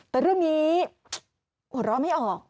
แต่เรื่องนี้หัวเราะไม่ออก